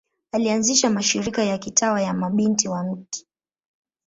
Alianzisha mashirika ya kitawa ya Mabinti wa Mt.